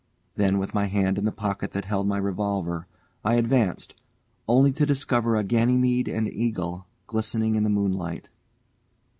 Then, with my hand in the pocket that held my revolver, I advanced, only to discover a Ganymede and Eagle glistening in the moonlight.